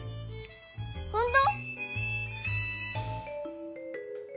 本当！？